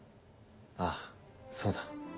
ああそうだ。